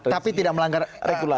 tapi tidak melanggar regulasi